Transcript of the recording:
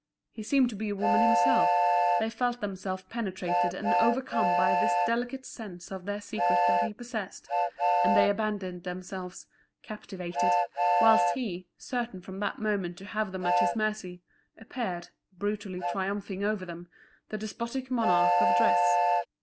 He seemed to be a woman himself, they felt themselves penetrated and overcome by this delicate sense of their secret that he possessed, and they abandoned themselves, captivated; whilst he, certain from that moment to have them at his mercy, appeared, brutally triumphing over them, the despotic monarch of dress.